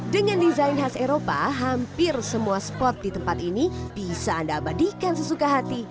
dengan desain khas eropa hampir semua spot di tempat ini bisa anda abadikan sesuka hati